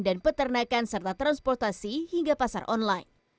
dan peternakan serta transportasi hingga pasar online